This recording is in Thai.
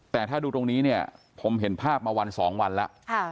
แต่ถ้าดูตรงนี้เนี่ยผมเห็นภาพมาวัน๒วันแล้ว